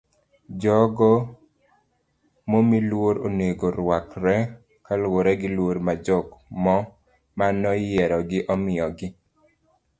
jogo momi luor onego ruakre kaluwore gi luor ma jok manoyierogi omiyogi